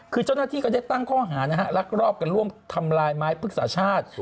คือเจ้าหน้าที่ก็ได้ตั้งข้อหานะฮะรักรอบกันร่วมทำลายไม้พฤกษาชาติ